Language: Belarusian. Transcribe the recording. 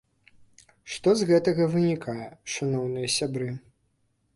Што з гэтага вынікае, шаноўныя сябры?